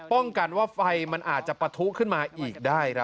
ป้องกันว่าไฟมันอาจจะปะทุขึ้นมาอีกได้ครับ